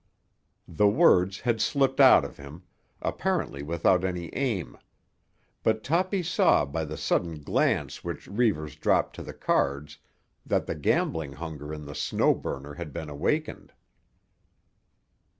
The words had slipped out of him, apparently without any aim; but Toppy saw by the sudden glance which Reivers dropped to the cards that the gambling hunger in the Snow Burner had been awakened.